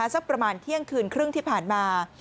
สักประมาณเที่ยงคืนครึ่งที่ผ่านมา